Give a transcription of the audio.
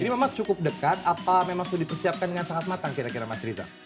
ini memang cukup dekat apa memang sudah dipersiapkan dengan sangat matang kira kira mas riza